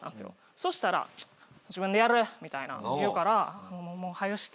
そしたら「自分でやる」みたいな言うからもう早して！